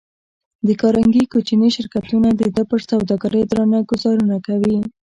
د کارنګي کوچني شرکتونه د ده پر سوداګرۍ درانه ګوزارونه کوي.